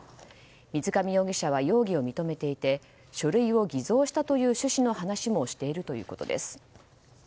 水上容疑者は容疑を認めていて書類を偽造したという趣旨の話をしているということです。